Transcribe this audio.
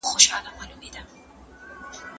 ډاکټران کولی شي غیرعادي حالتونه کشف کړي.